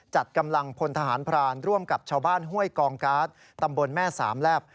จัดกำลังพลทหารพรานร่วมกับชาวบ้านห้วยกองการ์ดตำบลแม่สามแลบ